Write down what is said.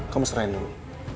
kamu serahin dulu